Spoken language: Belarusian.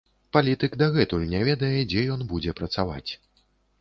Палітык дагэтуль не ведае, дзе ён будзе працаваць.